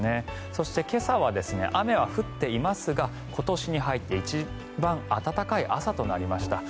そして今朝は雨は降っていますが今年に入って一番暖かい朝となりました。